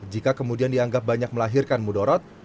jika kemudian dianggap banyak melahirkan mudorot